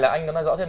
anh nói rõ thêm